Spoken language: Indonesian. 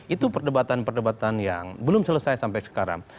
itu perdebatan perdebatan yang belum selesai sampai sekarang